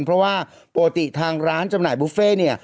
เพราะว่าปกติทางร้านจำหน่ายบุฟเฟ่เนี่ย